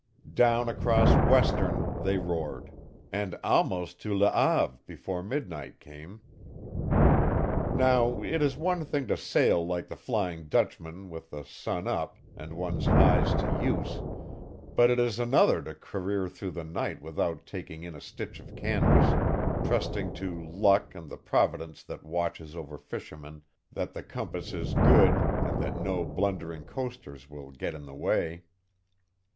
Down across Western they roared, and almost to Le Have before midnight came. Now it is one thing to sail like the Flying Dutchman with the sun up and one's eyes to use, but it is another to career through the night without taking in a stitch of canvas, trusting to luck and the Providence that watches over fishermen that the compass is good and that no blundering coasters will get in the way.